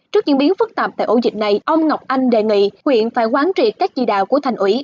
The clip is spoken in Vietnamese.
trước diễn biến phức tạp tại ổ dịch này ông ngọc anh đề nghị huyện phải quán triệt các chỉ đạo của thành ủy